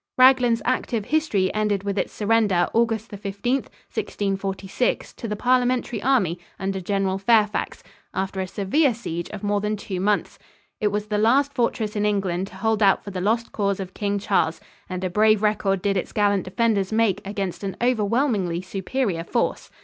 Raglan's active history ended with its surrender August 15, 1646, to the Parliamentary army under General Fairfax, after a severe siege of more than two months. It was the last fortress in England to hold out for the lost cause of King Charles, and a brave record did its gallant defenders make against an overwhelmingly superior force.